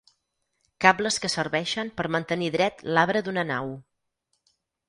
Cables que serveixen per mantenir dret l'arbre d'una nau.